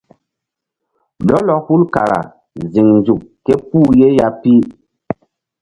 Lɔlɔ hul kara ziŋ nzuk ké puh ye ya pi.